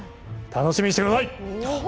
楽しみにしてください。